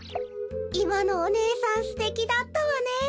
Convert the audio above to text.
いまのお姉さんすてきだったわね。